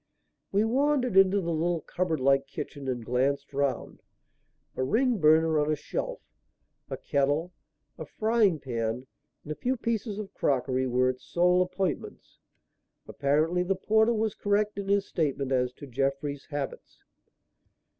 We wandered into the little cupboard like kitchen and glanced round. A ring burner on a shelf, a kettle, a frying pan and a few pieces of crockery were its sole appointments. Apparently the porter was correct in his statement as to Jeffrey's habits.